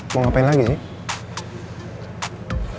mau ngapain lagi sih